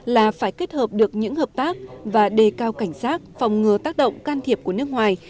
là phải kết hợp được những hợp tác và đề cao cảnh giác phòng ngừa tác động can thiệp của nước ngoài